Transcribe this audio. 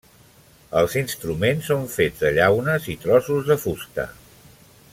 Els instruments són fets de llaunes i trossos de fusta.